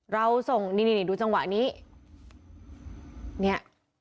เราส่งนี่ดูจังหวะนี้